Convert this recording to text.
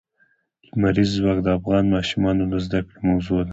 لمریز ځواک د افغان ماشومانو د زده کړې موضوع ده.